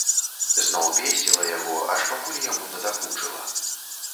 Зноў песціла яго, аж пакуль яму надакучыла.